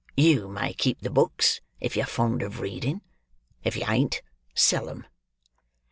You may keep the books, if you're fond of reading. If you ain't, sell 'em."